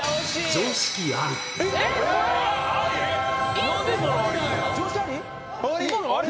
常識あり？